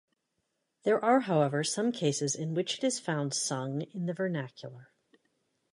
There are however some cases in which it is found sung in the vernacular.